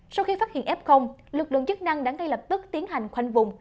sau khi phát hiện f lực lượng chức năng đã ngay lập tức tiến hành khoanh vùng